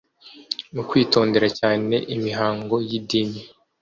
mu kwitondera cyane imihango y'idini.